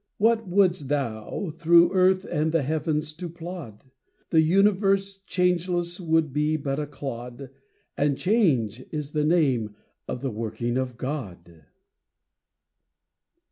What wouldst thou, through earth and the heavens to plod ? The universe changeless would be but a clod, And change is the name of the working of God.